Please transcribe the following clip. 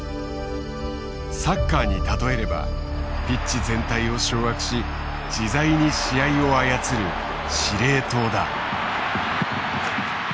サッカーに例えればピッチ全体を掌握し自在に試合を操る司令塔だ。